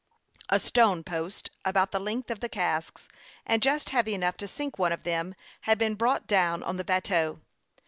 A stone post, about the length of the casks, and just heavy enough .to sink one of them, had been brought down on the bateau.